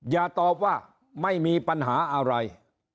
อย่าตอบว่าไม่มีปัญหาอะไร